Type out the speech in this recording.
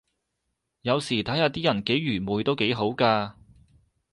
有時睇下啲人幾愚昧都幾好咖